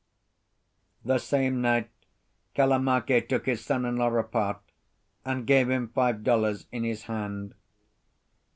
The same night Kalamake took his son in law apart, and gave him five dollars in his hand.